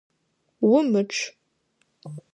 Умычъ!